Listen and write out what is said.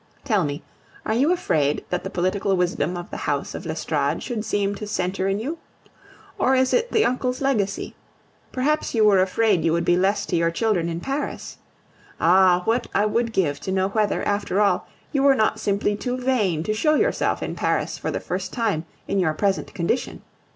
Tell me, are you afraid that the political wisdom of the house of l'Estorade should seem to centre in you? Or is it the uncle's legacy? Perhaps you were afraid you would be less to your children in Paris? Ah! what I would give to know whether, after all, you were not simply too vain to show yourself in Paris for the first time in your present condition!